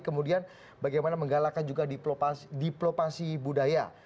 kemudian bagaimana menggalakkan juga diplopasi budaya